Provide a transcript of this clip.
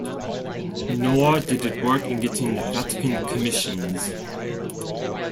Nor did it work in getting Vatican commissions.